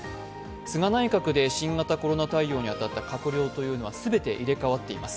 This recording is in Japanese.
菅内閣で新型コロナ対応に当たった閣僚というのはすべて入れ替わっています。